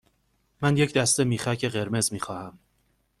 من یک دسته میخک قرمز می خواهم.